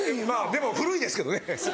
でも古いですけどね。